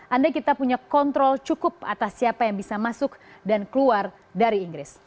andai kita punya kontrol cukup atas siapa yang bisa masuk dan keluar dari inggris